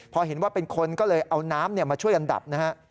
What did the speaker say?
พอเห็นว่าเป็นคนก็เลยเอาน้ำมาช่วยกันดับนะฮะ